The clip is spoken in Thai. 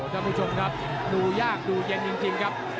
ท่านผู้ชมครับดูยากดูเย็นจริงครับ